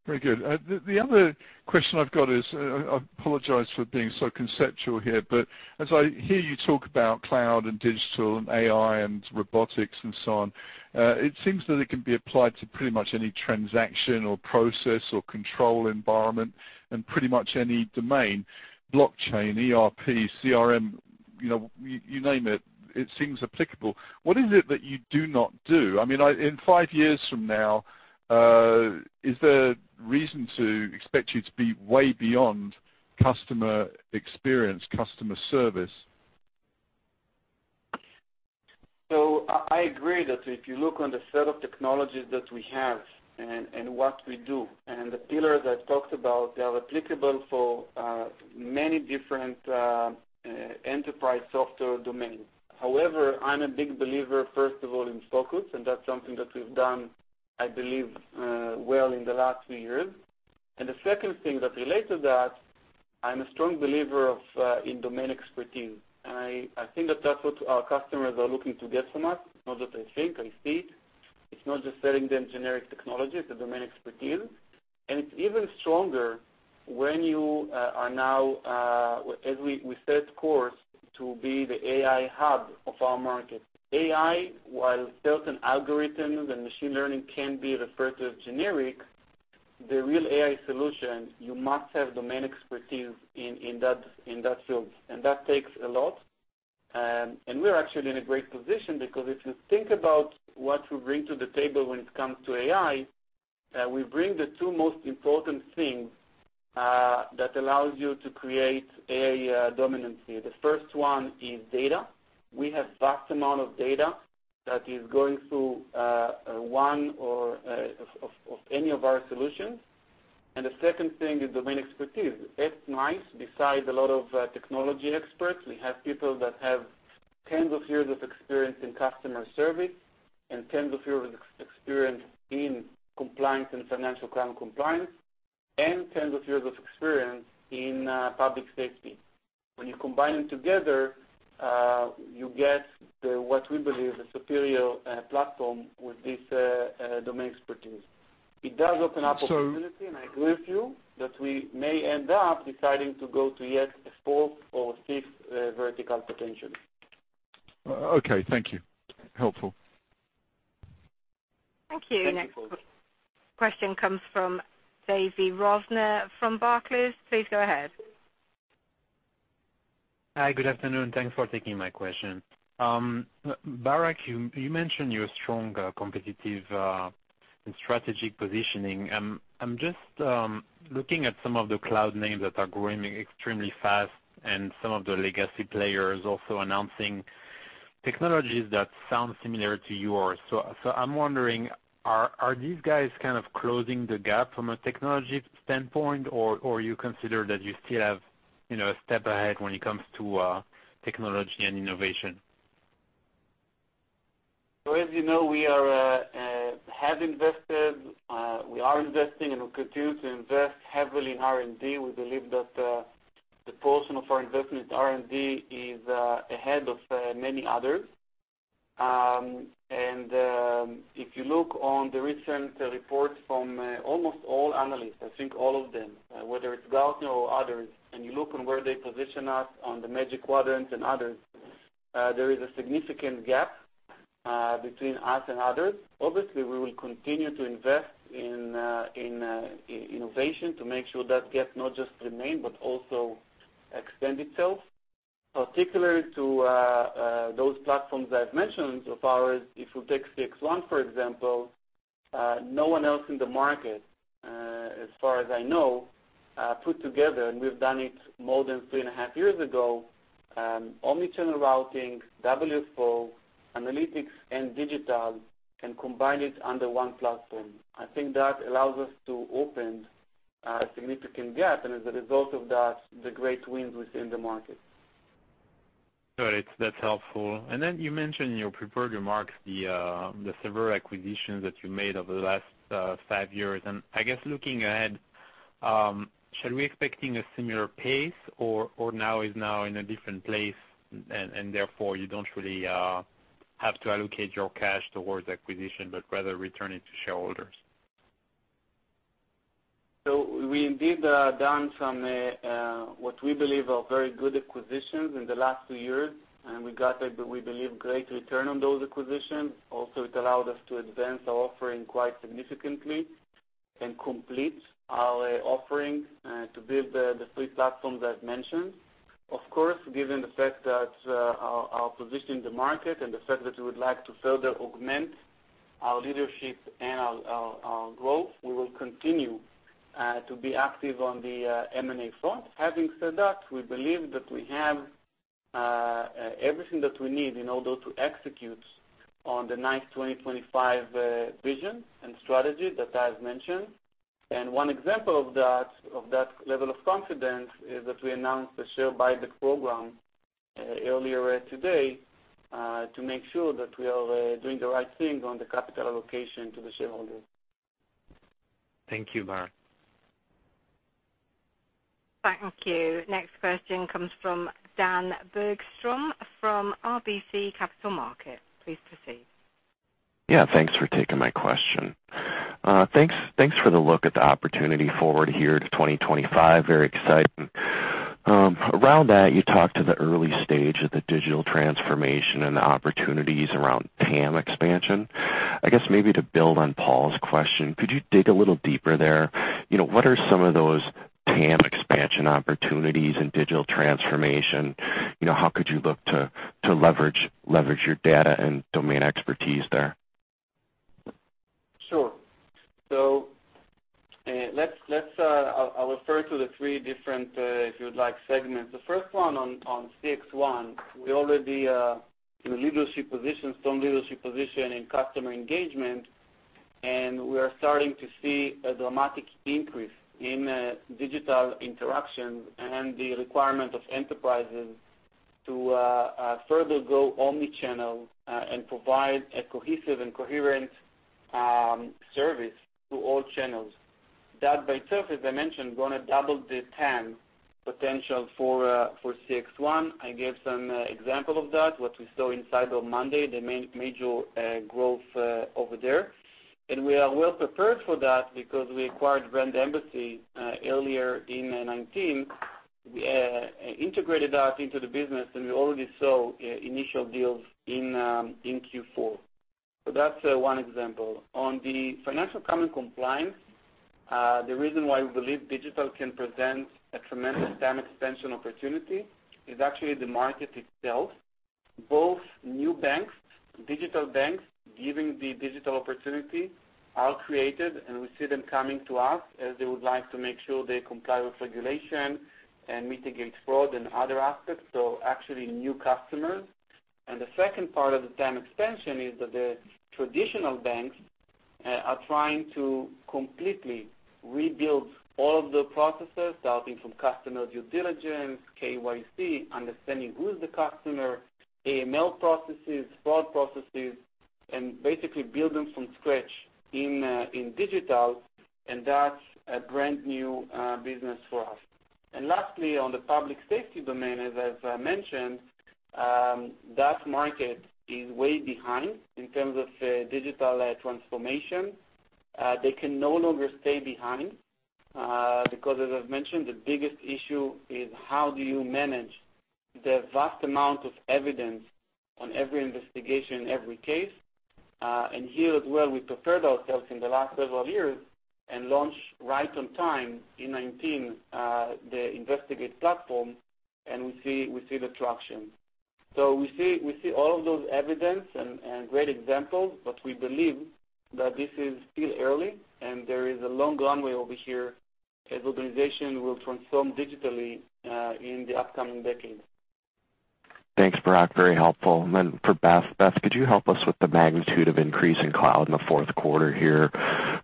Very good. The other question I've got is, I apologize for being so conceptual here, but as I hear you talk about cloud and digital and AI and robotics and so on, it seems that it can be applied to pretty much any transaction or process or control environment and pretty much any domain, blockchain, ERP, CRM. You name it seems applicable. What is it that you do not do? In five years from now, is there reason to expect you to be way beyond customer experience, customer service? I agree that if you look on the set of technologies that we have and what we do, and the pillars I've talked about, they are applicable for many different enterprise software domains. I'm a big believer, first of all, in focus, and that's something that we've done, I believe, well in the last few years. The second thing that relates to that, I'm a strong believer in domain expertise. I think that that's what our customers are looking to get from us. Not that I think, I see it. It's not just selling them generic technology, it's a domain expertise. It's even stronger when you are now, as we set course to be the AI hub of our market. AI, while certain algorithms and machine learning can be referred to as generic, the real AI solution, you must have domain expertise in that field. That takes a lot. We're actually in a great position because if you think about what we bring to the table when it comes to AI, we bring the two most important things that allows you to create AI dominancy. The first one is data. We have vast amount of data that is going through one of any of our solutions. The second thing is domain expertise. At NICE, besides a lot of technology experts, we have people that have tens of years of experience in customer service and tens of years of experience in compliance and financial crime compliance, and tens of years of experience in public safety. When you combine them together, you get what we believe is a superior platform with this domain expertise. It does open up opportunity, and I agree with you that we may end up deciding to go to yet a fourth or fifth vertical potentially. Okay. Thank you. Helpful. Thank you. Thank you, Paul. Next question comes from Tavy Rosner from Barclays. Please go ahead. Hi. Good afternoon. Thanks for taking my question. Barak, you mentioned your strong competitive and strategic positioning. I'm just looking at some of the cloud names that are growing extremely fast and some of the legacy players also announcing technologies that sound similar to yours. I'm wondering, are these guys kind of closing the gap from a technology standpoint, or you consider that you still have a step ahead when it comes to technology and innovation? As you know, we have invested, we are investing, and we'll continue to invest heavily in R&D. We believe that the portion of our investment R&D is ahead of many others. If you look on the recent reports from almost all analysts, I think all of them, whether it's Gartner or others, and you look on where they position us on the Magic Quadrant and others, there is a significant gap between us and others. Obviously, we will continue to invest in innovation to make sure that gap not just remain, but also extend itself, particular to those platforms I've mentioned of ours. If you take CXone, for example, no one else in the market, as far as I know, put together, and we've done it more than three and a half years ago, omni-channel routing, WFO, analytics, and digital, and combine it under one platform. I think that allows us to open a significant gap, and as a result of that, the great wins within the market. Got it. That's helpful. Then you mentioned in your prepared remarks the several acquisitions that you made over the last five years. I guess looking ahead, should we expecting a similar pace or is now in a different place, and therefore you don't really have to allocate your cash towards acquisition, but rather return it to shareholders? We indeed done some, what we believe are very good acquisitions in the last two years, and we got a, we believe, great return on those acquisitions. Also, it allowed us to advance our offering quite significantly and complete our offering to build the three platforms I've mentioned. Of course, given the fact that our position in the market and the fact that we would like to further augment our leadership and our growth, we will continue to be active on the M&A front. Having said that, we believe that we have everything that we need in order to execute on the NICE 2025 vision and strategy that I've mentioned. One example of that level of confidence is that we announced the share buyback program earlier today, to make sure that we are doing the right thing on the capital allocation to the shareholders. Thank you, Barak. Thank you. Next question comes from Dan Bergstrom from RBC Capital Markets. Please proceed. Yeah. Thanks for taking my question. Thanks for the look at the opportunity forward here to 2025. Very exciting. Around that, you talked to the early stage of the digital transformation and the opportunities around TAM expansion. I guess maybe to build on Paul's question, could you dig a little deeper there? What are some of those TAM expansion opportunities and digital transformation? How could you look to leverage your data and domain expertise there? Sure. I'll refer to the three different, if you would like, segments. The first one on CXone, we already are in a leadership position, strong leadership position in customer engagement, and we are starting to see a dramatic increase in digital interaction and the requirement of enterprises to further go omni-channel and provide a cohesive and coherent service to all channels. That by itself, as I mentioned, going to double the TAM potential for CXone. I gave some example of that, what we saw in Cyber Monday, the major growth over there. We are well prepared for that because we acquired Brand Embassy earlier in 2019. We integrated that into the business, and we already saw initial deals in Q4. That's one example. On the financial crime and compliance, the reason why we believe digital can present a tremendous TAM expansion opportunity is actually the market itself. Both new banks, digital banks, giving the digital opportunity, are created. We see them coming to us as they would like to make sure they comply with regulation and mitigate fraud and other aspects, so actually new customers. The second part of the TAM expansion is that the traditional banks are trying to completely rebuild all of the processes, starting from customer due diligence, KYC, understanding who is the customer, AML processes, fraud processes, and basically build them from scratch in digital, and that's a brand new business for us. Lastly, on the public safety domain, as I've mentioned, that market is way behind in terms of digital transformation. They can no longer stay behind, because as I've mentioned, the biggest issue is how do you manage the vast amount of evidence on every investigation, every case? Here as well, we prepared ourselves in the last several years and launched right on time in 2019, the Investigate platform, and we see the traction. We see all of those evidence and great examples, but we believe that this is still early, and there is a long runway over here as organization will transform digitally, in the upcoming decade. Thanks, Barak. Very helpful. For Beth. Beth, could you help us with the magnitude of increase in cloud in the fourth quarter here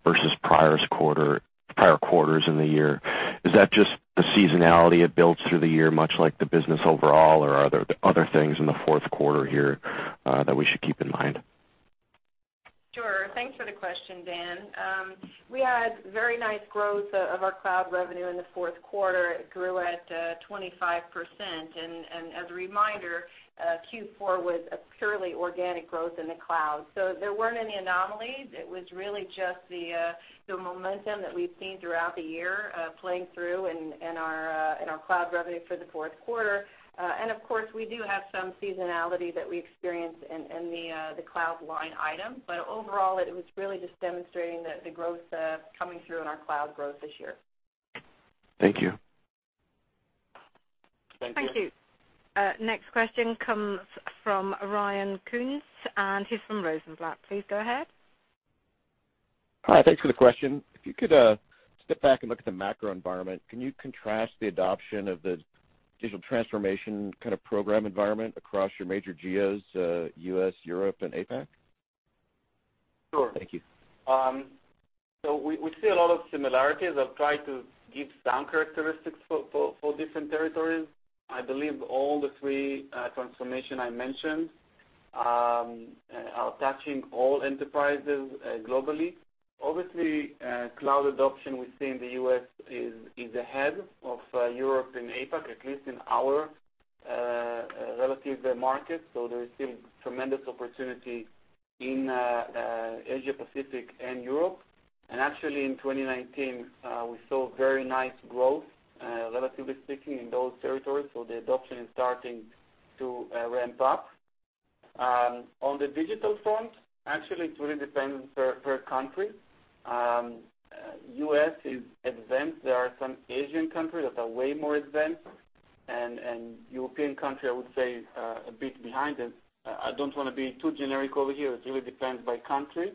versus prior quarters in the year? Is that just the seasonality it builds through the year, much like the business overall, or are there other things in the fourth quarter here that we should keep in mind? Sure. Thanks for the question, Dan. We had very nice growth of our cloud revenue in the fourth quarter. It grew at 25%. As a reminder, Q4 was a purely organic growth in the cloud. There weren't any anomalies. It was really just the momentum that we've seen throughout the year, playing through in our cloud revenue for the fourth quarter. Of course, we do have some seasonality that we experience in the cloud line item. Overall, it was really just demonstrating the growth coming through in our cloud growth this year. Thank you. Thank you. Thank you. Next question comes from Ryan Koontz, and he's from Rosenblatt. Please go ahead. Hi. Thanks for the question. If you could, step back and look at the macro environment, can you contrast the adoption of the digital transformation kind of program environment across your major geos, U.S., Europe, and APAC? Sure. Thank you. We see a lot of similarities. I'll try to give some characteristics for different territories. I believe all the three transformation I mentioned are touching all enterprises globally. Obviously, cloud adoption we see in the U.S. is ahead of Europe and APAC, at least in our relative market. There is still tremendous opportunity in Asia-Pacific and Europe. Actually, in 2019, we saw very nice growth, relatively speaking, in those territories. The adoption is starting to ramp up. On the digital front, actually, it really depends per country. U.S. is advanced. There are some Asian countries that are way more advanced, and European country, I would say, a bit behind. I don't want to be too generic over here. It really depends by country.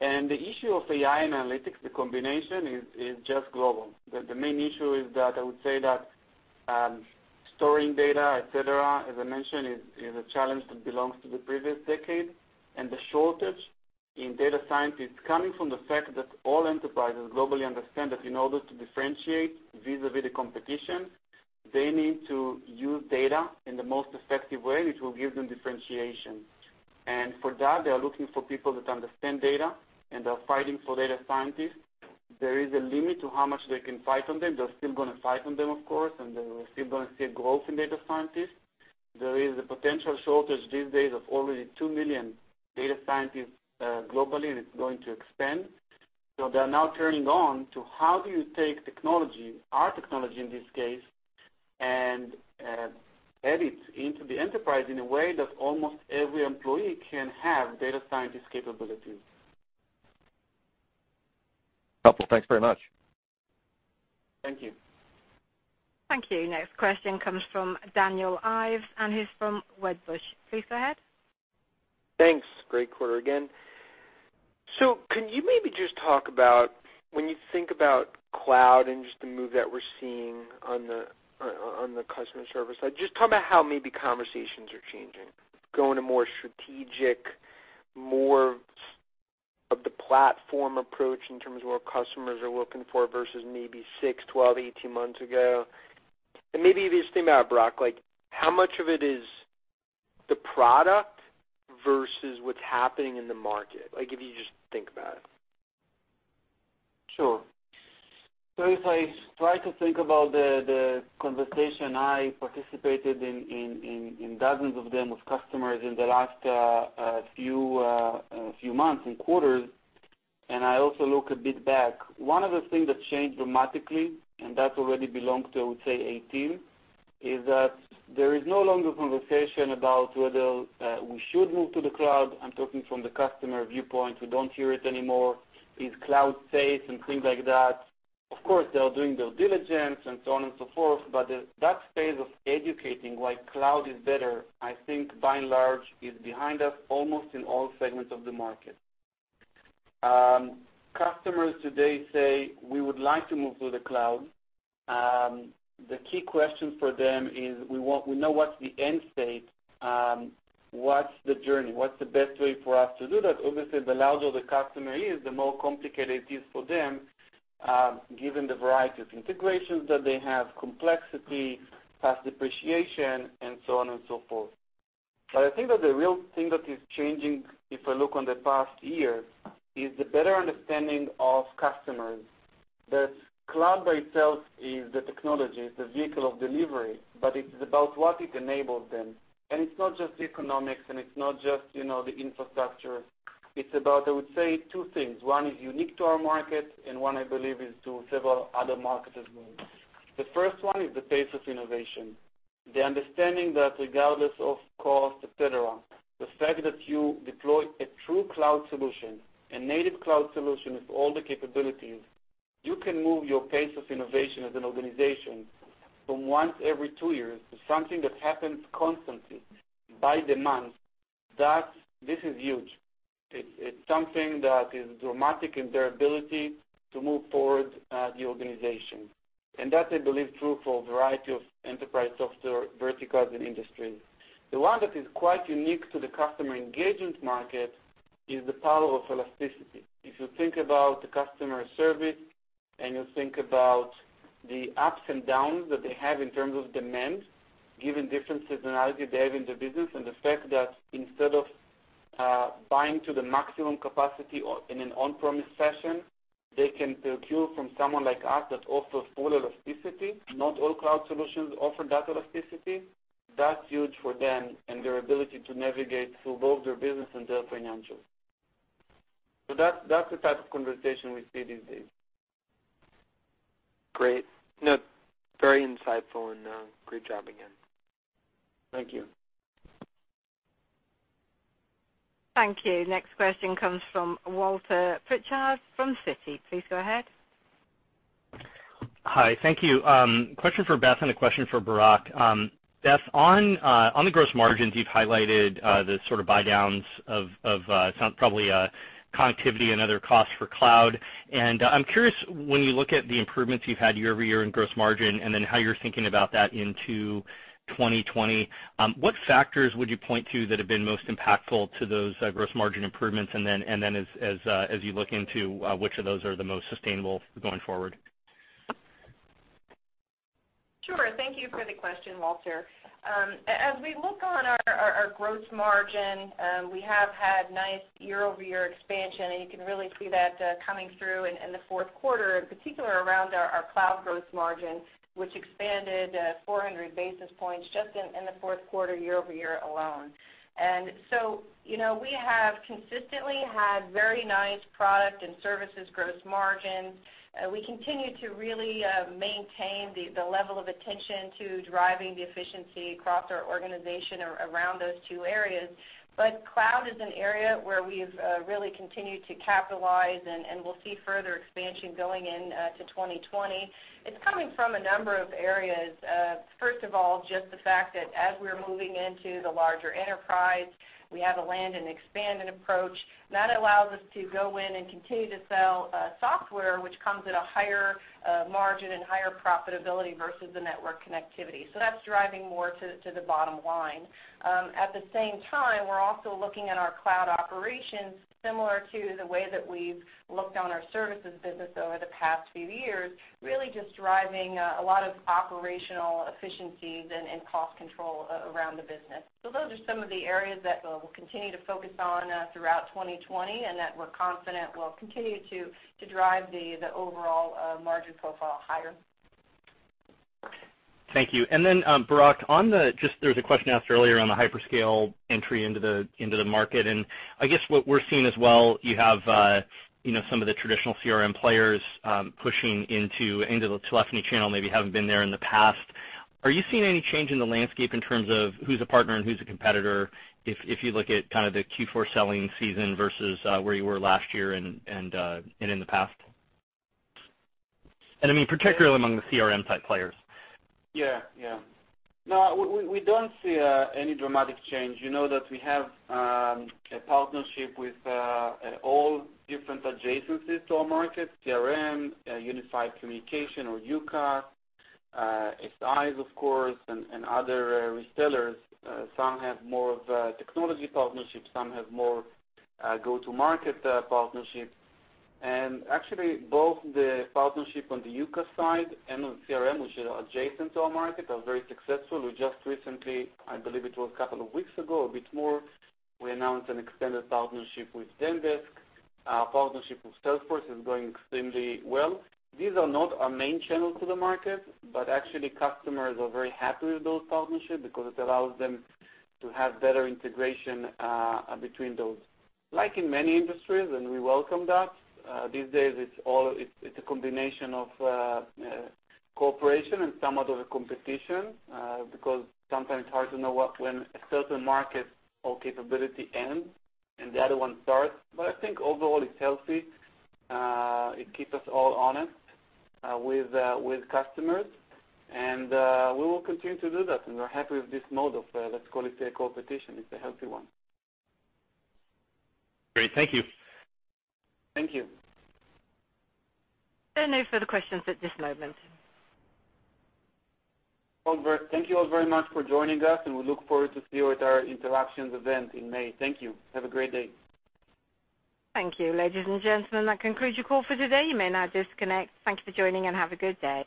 The issue of AI and analytics, the combination, is just global. The main issue is that I would say that storing data, et cetera, as I mentioned, is a challenge that belongs to the previous decade. The shortage in data scientists coming from the fact that all enterprises globally understand that in order to differentiate vis-à-vis the competition, they need to use data in the most effective way, which will give them differentiation. For that, they are looking for people that understand data and are fighting for data scientists. There is a limit to how much they can fight on them. They're still going to fight on them, of course, and they're still going to see a growth in data scientists. There is a potential shortage these days of already 2 million data scientists globally, and it's going to expand. They're now turning on to how do you take technology, our technology in this case, and add it into the enterprise in a way that almost every employee can have data scientist capabilities. Helpful. Thanks very much. Thank you. Thank you. Next question comes from Daniel Ives, and he's from Wedbush. Please go ahead. Thanks. Great quarter again. Could you maybe just talk about, when you think about cloud and just the move that we're seeing on the customer service side, just talk about how maybe conversations are changing, going to more strategic, more of the platform approach in terms of what customers are looking for versus maybe six, 12, 18 months ago? Maybe if you just think about it, Barak, like how much of it is the product versus what's happening in the market? Like if you just think about it. Sure. If I try to think about the conversation I participated in dozens of them with customers in the last few months and quarters, and I also look a bit back, one of the things that changed dramatically, and that already belonged to, I would say 2018 is that there is no longer conversation about whether we should move to the cloud. I'm talking from the customer viewpoint, we don't hear it anymore. Is cloud safe and things like that. Of course, they are doing their diligence and so on and so forth, that phase of educating why cloud is better, I think by and large is behind us almost in all segments of the market. Customers today say, "We would like to move to the cloud." The key question for them is, we know what's the end state, what's the journey? What's the best way for us to do that? Obviously, the larger the customer is, the more complicated it is for them, given the variety of integrations that they have, complexity, past depreciation, and so on and so forth. I think that the real thing that is changing, if I look on the past year, is the better understanding of customers. That cloud by itself is the technology, it's the vehicle of delivery, but it's about what it enables them. It's not just economics, and it's not just the infrastructure. It's about, I would say two things. One is unique to our market, and one, I believe, is to several other markets as well. The first one is the pace of innovation. The understanding that regardless of cost, et cetera, the fact that you deploy a true cloud solution, a native cloud solution with all the capabilities, you can move your pace of innovation as an organization from once every two years to something that happens constantly, by demand. This is huge. It's something that is dramatic in their ability to move forward the organization. That, I believe, true for a variety of enterprise software verticals and industries. The one that is quite unique to the customer engagement market is the power of elasticity. If you think about the customer service, and you think about the ups and downs that they have in terms of demand, given different seasonality they have in their business, and the fact that instead of buying to the maximum capacity in an on-premise fashion, they can procure from someone like us that offers full elasticity. Not all cloud solutions offer that elasticity. That's huge for them and their ability to navigate through both their business and their financials. That's the type of conversation we see these days. Great. No, very insightful and great job again. Thank you. Thank you. Next question comes from Walter Pritchard from Citi. Please go ahead. Hi. Thank you. Question for Beth and a question for Barak. Beth, on the gross margins, you've highlighted the sort of buy downs of some probably connectivity and other costs for cloud. I'm curious, when you look at the improvements you've had year-over-year in gross margin, and then how you're thinking about that into 2020, what factors would you point to that have been most impactful to those gross margin improvements? As you look into which of those are the most sustainable going forward? Sure. Thank you for the question, Walter. As we look on our gross margin, we have had NICE year-over-year expansion, and you can really see that coming through in the fourth quarter, in particular around our cloud gross margin, which expanded 400 basis points just in the fourth quarter, year-over-year alone. We have consistently had very NICE product and services gross margin. We continue to really maintain the level of attention to driving the efficiency across our organization around those two areas. Cloud is an area where we've really continued to capitalize, and we'll see further expansion going into 2020. It's coming from a number of areas. First of all, just the fact that as we're moving into the larger enterprise, we have a land and expand approach. That allows us to go in and continue to sell software which comes at a higher margin and higher profitability versus the network connectivity. That's driving more to the bottom line. At the same time, we're also looking at our cloud operations similar to the way that we've looked on our services business over the past few years, really just driving a lot of operational efficiencies and cost control around the business. Those are some of the areas that we'll continue to focus on throughout 2020, and that we're confident will continue to drive the overall margin profile higher. Thank you. Then, Barak, there was a question asked earlier on the hyperscale entry into the market. I guess what we're seeing as well, you have some of the traditional CRM players pushing into the telephony channel, maybe haven't been there in the past. Are you seeing any change in the landscape in terms of who's a partner and who's a competitor, if you look at kind of the Q4 selling season versus where you were last year and in the past? I mean, particularly among the CRM-type players. Yeah. We don't see any dramatic change. You know that we have a partnership with all different adjacencies to our market, CRM, unified communication or UCaaS, [X-Sight], of course, and other resellers. Some have more of technology partnerships, some have more go-to-market partnerships. Actually, both the partnership on the UCaaS side and on CRM, which are adjacent to our market, are very successful. We just recently, I believe it was a couple of weeks ago, a bit more, we announced an extended partnership with Zendesk. Our partnership with Salesforce is going extremely well. These are not our main channels to the market, but actually customers are very happy with those partnerships because it allows them to have better integration between those. Like in many industries, and we welcome that, these days it's a combination of cooperation and some of the competition, because sometimes it's hard to know when a certain market or capability ends and the other one starts. I think overall it's healthy. It keeps us all honest with customers. We will continue to do that, and we're happy with this mode of, let's call it a competition. It's a healthy one. Great. Thank you. Thank you. There are no further questions at this moment. Well, thank you all very much for joining us, and we look forward to see you at our Interactions event in May. Thank you. Have a great day. Thank you. Ladies and gentlemen, that concludes your call for today. You may now disconnect. Thank you for joining, and have a good day.